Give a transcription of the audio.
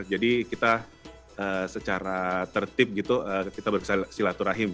jadi kita secara tertib gitu kita berkesan sholat turahim